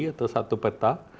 atau satu peta